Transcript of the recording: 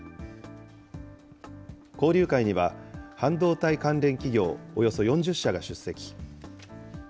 交流会には、半導体関連企業およそ４０社が出席。